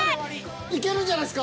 いけるんじゃないすか。